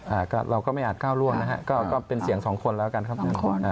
แล้วเราก็ไม่อาจก้าวร่วงนะครับก็เป็นเสียงสองคนแล้วกันทั้งสองคนนี้ได้ครับสองคน